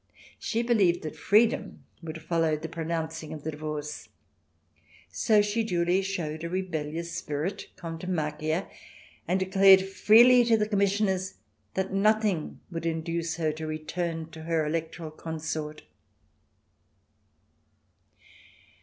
She believed that freedom would follow the pronouncing of the divorce. So she duly showed a rebellious spirit — contumacia — and declared freely to the com missioners that nothing would induce her to return to her Electoral consort.